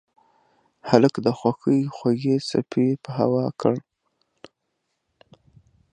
هلک د خوښۍ خوږې څپې په هوا کړ.